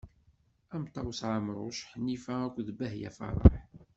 Am Ṭawes Ɛemruc, Ḥnifa akk d Bahya Faraḥ.